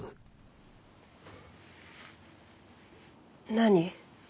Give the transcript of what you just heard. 何？